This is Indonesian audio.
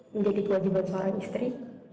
menjadi kewajiban seorang istri